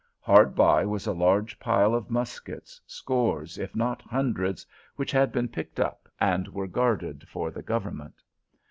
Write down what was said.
Hard by was a large pile of muskets, scores, if not hundreds, which had been picked up, and were guarded for the Government.